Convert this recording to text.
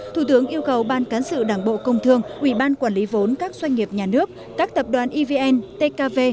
thủ tướng yêu cầu ban cán sự đảng bộ công thương ủy ban quản lý vốn các doanh nghiệp nhà nước các tập đoàn evn tkv